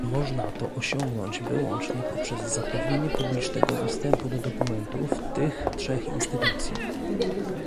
Można to osiągnąć wyłącznie poprzez zapewnienie publicznego dostępu do dokumentów tych trzech instytucji